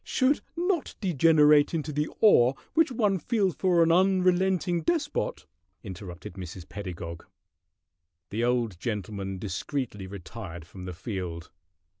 "Should not degenerate into the awe which one feels for an unrelenting despot!" interrupted Mrs. Pedagog. The old gentleman discreetly retired from the field.